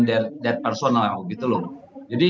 dari personal gitu loh jadi